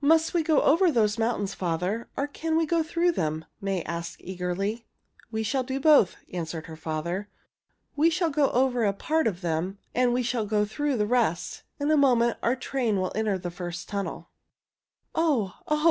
"Must we go over those mountains, father, or can we go through them?" May asked eagerly. "We shall do both," answered her father. "We shall go over a part of them and we shall go through the rest. In a moment our train will enter the first tunnel." "Oh! Oh!